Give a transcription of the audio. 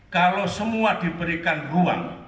kalau semua diberikan ruang